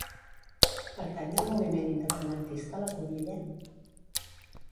Pertany al moviment independentista la Conilla?